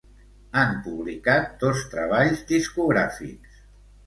Han publicat dos treballs discogràfics.